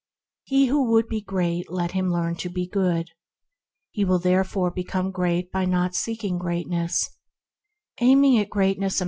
He who would be great let him learn to be good. He will therefore become great by not seeking greatness.